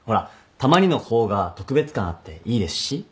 たまにの方が特別感あっていいですし。